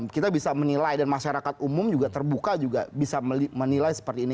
kita bisa menilai dan masyarakat umum juga terbuka juga bisa menilai seperti ini